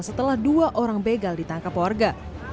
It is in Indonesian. setelah dua orang begal ditangkap warga